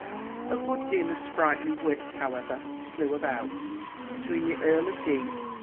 A good deal of sprightly wit, however, flew about, between the Earl of D.